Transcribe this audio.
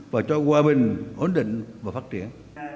và cho hòa bình ổn định và phát triển